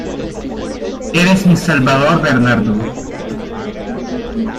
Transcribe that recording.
¡Eres mi salvador, Bernardo!